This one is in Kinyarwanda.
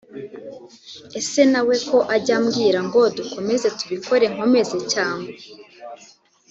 Ese na we ko ajya ambwira ngo dukomeze tubikore nkomeze cyangwa